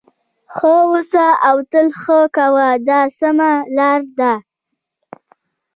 ښه اوسه او تل ښه کوه دا سمه لار ده.